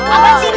apa sih itu